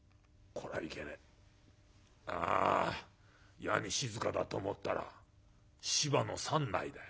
いやに静かだと思ったら芝の山内だよ。